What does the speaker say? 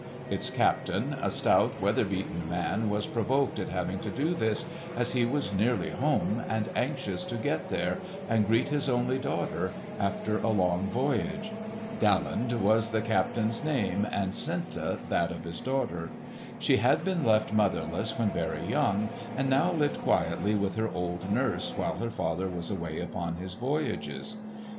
Its captain, a stout weather beaten man, was provoked at having to do this, as he was nearly home and anxious to get there and greet his only daughter, after a long voyage. Daland was the captain's name, and Senta that of his daughter. She had been left motherless when very young, and now lived quietly with her old nurse while her father was away upon his voyages.